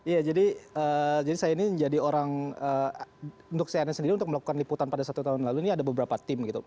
iya jadi saya ini menjadi orang untuk cnn sendiri untuk melakukan liputan pada satu tahun lalu ini ada beberapa tim gitu